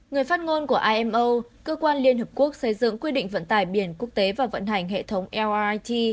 người phát ngôn của imo cơ quan liên hợp quốc xây dựng quy định vận tải biển quốc tế và vận hành hệ thống lit